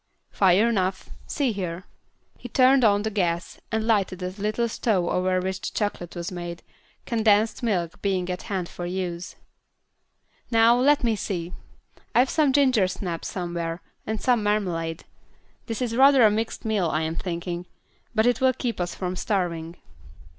"Fire enough. See here." He turned on the gas, and lighted a little stove over which the chocolate was made, condensed milk being at hand for use. "Now, let me see. I've some ginger snaps somewhere, and some marmalade. This is rather a mixed meal, I am thinking, but it will keep us from starving."